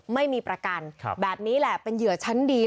ไม่มีประกันแบบนี้แหละเป็นเหยื่อชั้นดี